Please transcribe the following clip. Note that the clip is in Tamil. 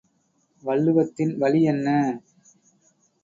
வள்ளுவத்தின் வழி என்ன?